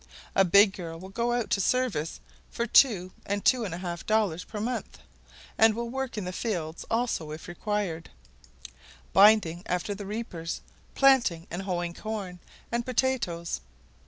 A big girl will go out to service for two and two and a half dollars per month, and will work in the fields also if required, binding after the reapers, planting and hoeing corn and potatoes.